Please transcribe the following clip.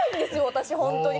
私本当に！